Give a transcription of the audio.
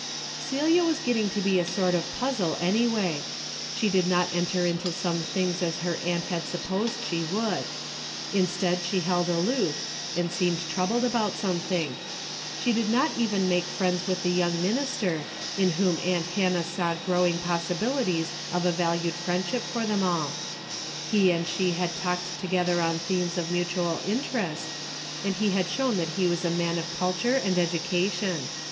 Celia was getting to be a sort of a puzzle A DAILY RATE.'' 211 anyway. She did not enter into some things as her aunt had supposed she Avould. Instead she held aloof, and seemed troubled about something. She did not even make friends with the young minister, in whom aunt Han nah saw growing possibilities of a valued friendship for them all. He and she had talked together on themes of mutual interest, and he had shown that he was a man of cul ture and education.